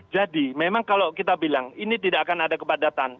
jadi memang kalau kita bilang ini tidak akan ada kepadatan